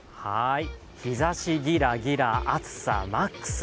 日ざしギラギラ、暑さマックス！